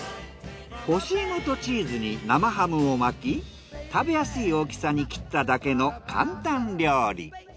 干し芋とチーズに生ハムを巻き食べやすい大きさに切っただけの簡単料理。